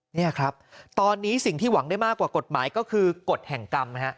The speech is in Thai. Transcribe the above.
นี่ครับตอนนี้สิ่งที่หวังได้มากกว่ากฎหมายก็คือกฎแห่งกรรมนะฮะ